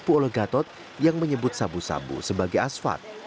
pemeriksaan yang merasa telah ditipu oleh gatot yang menyebut sabu sabu sebagai asfad